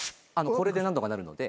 これで何とかなるので。